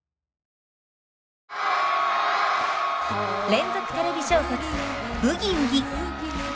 連続テレビ小説「ブギウギ」。